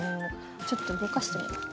ちょっと動かしてみます。